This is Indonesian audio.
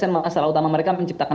masalah utama mereka menciptakan